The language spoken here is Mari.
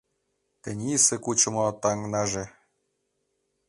Тенийысе кучымо таҥнаже -